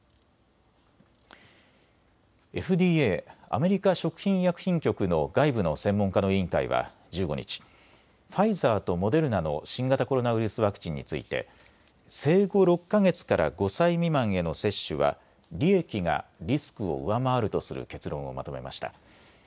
ＦＤＡ・アメリカ食品医薬品局の外部の専門家の委員会は１５日、ファイザーとモデルナの新型コロナウイルスワクチンについて生後６か月から５歳未満への接種は利益がリスクを上回るとする結論をまとめました。